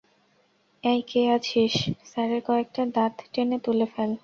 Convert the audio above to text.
এই কে আছিস, স্যারের কয়েকটা দাঁত টেনে তুলে ফেল।